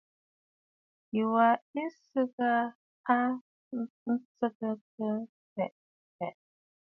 Ŋ̀kì wa ɨ t;sɨɨkə aa tsɨ̀ɨ̀ŋkə̀ tɛʼɛ̀ tɛ̀ʼɛ̀.